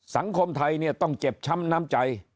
สังคมไทยเนี่ยต้องเจ็บช้ำน้ำใจ